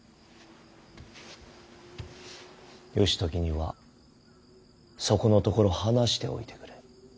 義時にはそこのところ話しておいてくれ。